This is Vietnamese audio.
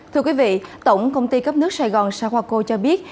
thưa quý vị tổng công ty cấp nước sài gòn sà khoa cô cho biết